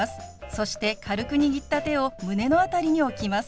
そして軽く握った手を胸の辺りに置きます。